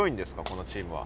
このチームは。